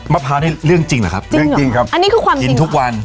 มะพร้าวนี่เรื่องจริงหรือครับจริงหรืออันนี้คือความจริงค่ะกินทุกวัน